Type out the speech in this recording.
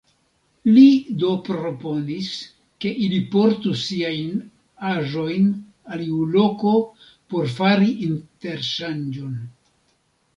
Li do proponis, ke ili portu siajn aĵojn al iu loko por fari interŝanĝon.